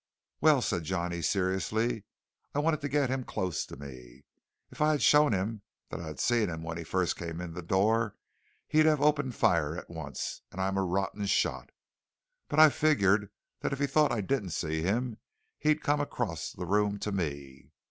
"Well," said Johnny seriously, "I wanted to get him close to me. If I had shown him that I'd seen him when he first came in the door, he'd have opened fire at once. And I'm a rotten shot. But I figured that if he thought I didn't see him, he'd come across the room to me."